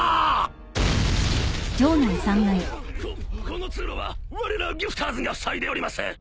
ここの通路はわれらギフターズがふさいでおります。